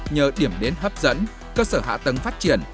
nhờ điểm đến hấp dẫn cơ sở hạ tầng phát triển